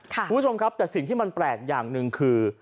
คุณผู้ชมครับแต่สิ่งที่มันแปลกอย่างหนึ่งคือ